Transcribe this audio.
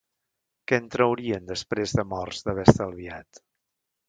Què en traurien, després de morts, d'haver estalviat